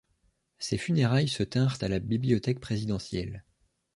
Ses funérailles se tinrent à la bibliothèque présidentielle.